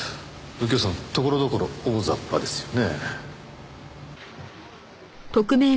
右京さんところどころ大ざっぱですよね？